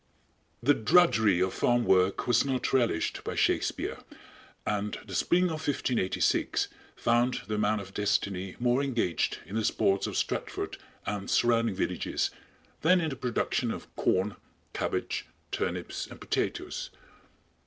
"_ The drudgery of farm work was not relished by Shakspere, and the spring of 1586 found the man of destiny more engaged in the sports of Stratford and surrounding villages than in the production of corn, cabbage, turnips and potatoes.